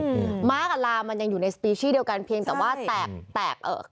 อืมม้ากับลามันยังอยู่ในสตรีชี่เดียวกันเพียงแต่ว่าแตกแตกเอ่อ